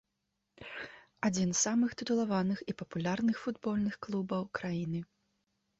Адзін з самым тытулаваных і папулярных футбольных клубаў краіны.